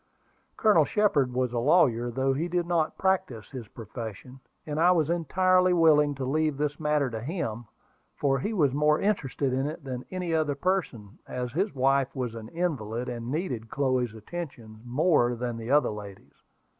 Colonel Shepard was a lawyer, though he did not practise his profession, and I was entirely willing to leave this matter to him, for he was more interested in it than any other person, as his wife was an invalid, and needed Chloe's attentions more than the other ladies.